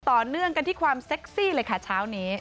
ต่อเนื่องกันที่ความเซ็กซี่เลยค่ะเช้านี้